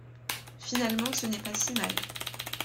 Finalement, ce n'est pas si mal.